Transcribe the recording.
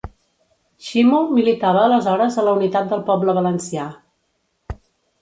Ximo militava aleshores a la Unitat del Poble Valencià.